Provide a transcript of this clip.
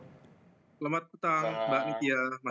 selamat petang mbak nitya mas ciko